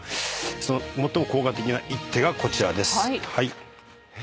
その最も効果的な一手がこちらです。